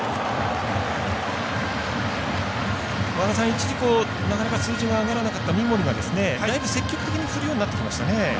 一時、なかなか数字が上がらなかった三森がだいぶ積極的に振るようになってきましたね。